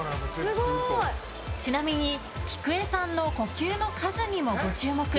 ちなみに、きくえさんの呼吸の数にもご注目。